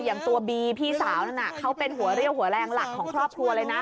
อย่างตัวบีพี่สาวนั้นเขาเป็นหัวเรี่ยวหัวแรงหลักของครอบครัวเลยนะ